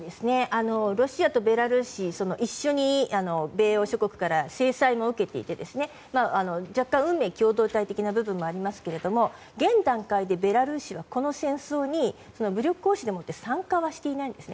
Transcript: ロシアとベラルーシは一緒に米欧諸国から制裁を受けていて若干、運命共同体的な部分もありますけども現段階でベラルーシはこの戦争に武力行使での参加はしていないんです。